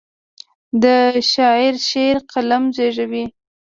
د شاعر شعر قلم زیږوي.